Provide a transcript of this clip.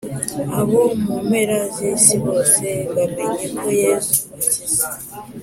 Abo mumpera z’isi bose bamenye ko yesu akiza